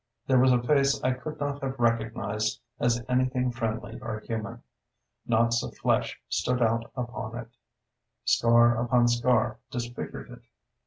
There was a face I could not have recognized as anything friendly or human. Knots of flesh stood out upon it; scar upon scar disfigured it.